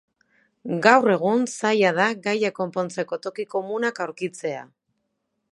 Gaur egun zaila da gaia konpontzeko toki komunak aurkitzea.